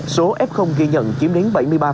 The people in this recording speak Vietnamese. số f ghi nhận chiếm đến bảy mươi ba